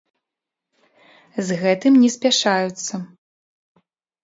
З гэтым не спяшаюцца.